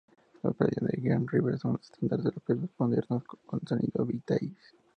Los previos Great River son el estandarte de los previos modernos con sonido vintage.